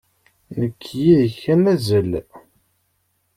Nekk d yid-k ad nazzel.